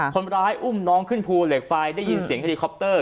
คนร้ายอุ้มน้องขึ้นภูเหล็กไฟได้ยินเสียงเฮลิคอปเตอร์